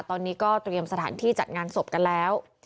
ตอนนี้ก็เตรียมสถานที่จัดงานศพกันแล้ว